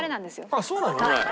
あっそうなの？